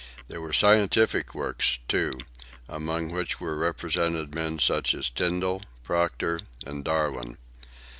There were scientific works, too, among which were represented men such as Tyndall, Proctor, and Darwin.